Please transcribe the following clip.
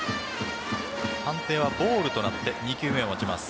判定はボールとなって２球目を待ちます。